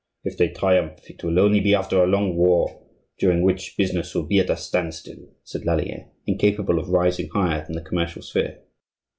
"If they triumph, it will only be after a long war, during which business will be at a standstill," said Lallier, incapable of rising higher than the commercial sphere.